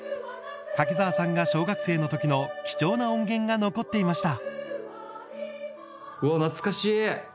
柿澤さんが小学生の時の貴重な音源が残っていました。